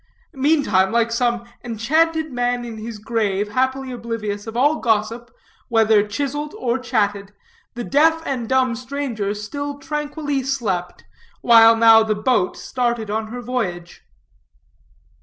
Meantime, like some enchanted man in his grave, happily oblivious of all gossip, whether chiseled or chatted, the deaf and dumb stranger still tranquilly slept, while now the boat started on her voyage.